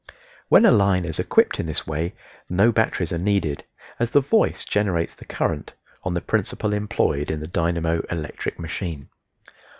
When a line is equipped in this way no batteries are needed, as the voice generates the current, on the principle employed in the dynamo electric machine.